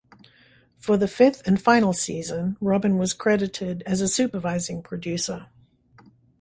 For the fifth and final season Robin was credited as a supervising producer.